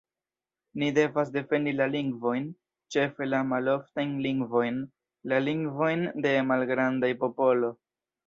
Ni devas defendi la lingvojn, ĉefe la maloftajn lingvojn, la lingvojn de malgrandaj popolo.